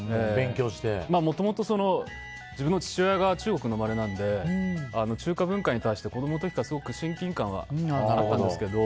もともと、自分の父親が中国の生まれなので中華文化に対して子供のころからすごく親近感はあったんですけど